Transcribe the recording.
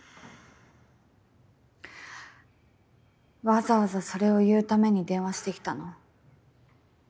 わざわざそれを言うために電話してきたの？